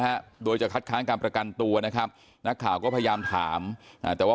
ฮะโดยจะคัดค้างการประกันตัวนะครับนักข่าวก็พยายามถามอ่าแต่ว่า